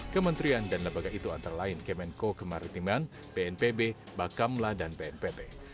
kementerian dan lembaga itu antara lain kemenko kemaritiman bnpb bakamla dan bnpb